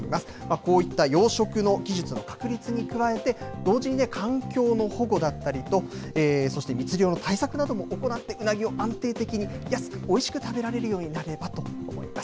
こういった養殖の技術の確立に加えて、同時に環境の保護だったりと、そして密漁の対策なども行って、ウナギを安定的に安くおいしく食べられるようになればと思います。